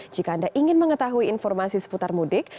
jika anda ingin mengetahui informasi seputar mudik